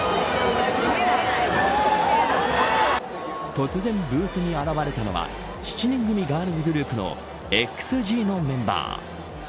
突然ブースに現れたのは７人組ガールズグループのＸＧのメンバー。